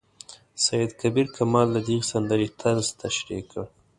سید کبیر کمال د دغې سندرې طرز تشریح کړ.